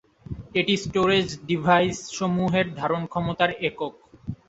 এটি storage device সমূহের ধারণ ক্ষমতার একক।